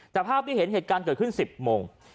แต่ภาพที่เห็นเหตุการณ์เกิดขึ้น๑๐โมง